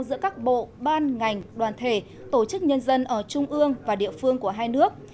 giữa các bộ ban ngành đoàn thể tổ chức nhân dân ở trung ương và địa phương của hai nước